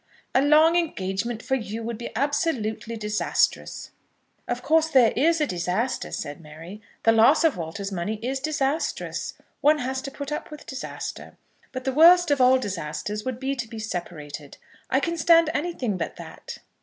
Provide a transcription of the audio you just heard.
"A long engagement for you would be absolutely disastrous." "Of course, there is disaster," said Mary. "The loss of Walter's money is disastrous. One has to put up with disaster. But the worst of all disasters would be to be separated. I can stand anything but that."